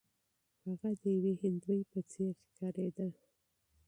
هغه د یوې هندوې په څیر ښکاریده.